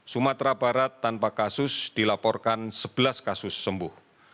sumatera barat tanpa kasus dilaporkan sebelas kasus sembuh